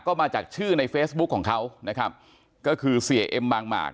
ก็มาจากชื่อในเฟซบุ๊คของเขานะครับก็คือเสียเอ็มบางหมาก